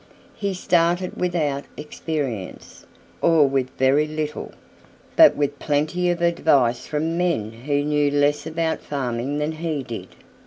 He started without experience, or with very little, but with plenty of advice from men who knew less about farming than he did.